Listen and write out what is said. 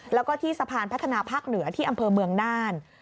แล้วก็ที่สะพานพัฒนาภาคเหนือที่อำเภอเมืองน่าน